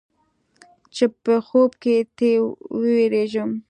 چې په خوب کې تې وېرېږم.